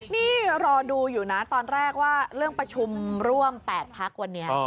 นี่รอดูอยู่นะตอนแรกว่าเรื่องประชุมร่วม๘พักวันนี้